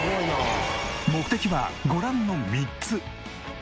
目的はご覧の３つ。